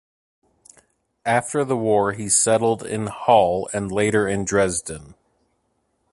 After the war he settled in Halle and later in Dresden.